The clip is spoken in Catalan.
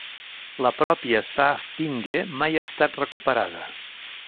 La pròpia Saaftinge mai ha estat recuperada.